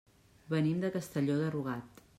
Venim de Castelló de Rugat.